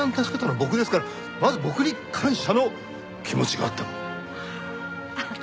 助けたの僕ですからまず僕に感謝の気持ちがあっても。